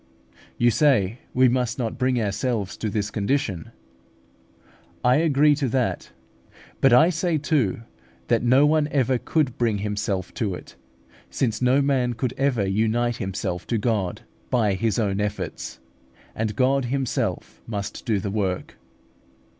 You say, we must not bring ourselves to this condition. I agree to that; but I say too, that no one ever could bring himself to it, since no man could ever unite himself to God by his own efforts, and God Himself must do the work.